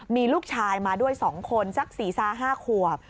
มีลูกชายมาด้วย๒คนสัก๔๕ขวบ